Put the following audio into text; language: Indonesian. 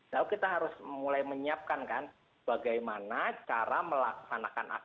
lalu kita harus mulai menyiapkan kan bagaimana cara melaksanakan aktivitas